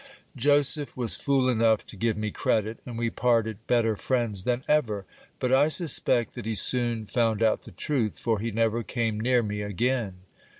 Joseph was fool enough to give me credit, and we parted better friends than ever ; but I suspect that he soon found out the truth, for he never came near me again.